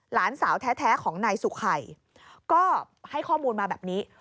หลานสาวแท้ของนายสุขัยก็ให้ข้อมูลมาแบบนี้